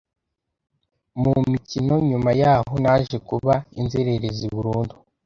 mu mikino nyuma yaho naje kuba inzererezi burundu